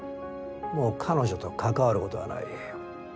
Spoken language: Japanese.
もう彼女と関わることはない。